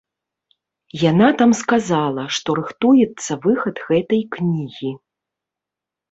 Яна там сказала, што рыхтуецца выхад гэтай кнігі.